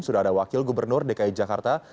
sudah ada wakil gubernur dki jakarta